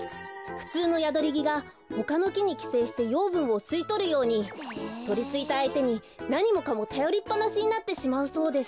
ふつうのヤドリギがほかのきにきせいしてようぶんをすいとるようにとりついたあいてになにもかもたよりっぱなしになってしまうそうです。